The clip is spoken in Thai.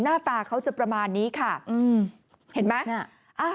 หน้าตาเขาจะประมาณนี้ค่ะอืมเห็นไหม